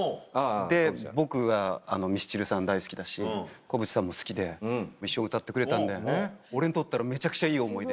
で僕がミスチルさん大好きだし小渕さんも好きで一緒に歌ってくれたんで俺にとったらめちゃくちゃいい思い出。